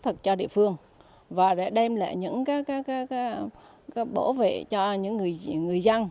thực cho địa phương và để đem lại những cái bảo vệ cho những người dân